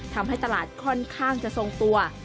ทำให้ตลาดค่อนข้างจะทรงตัว